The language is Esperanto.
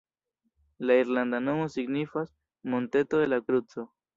La irlanda nomo signifas “monteto de la kruco”.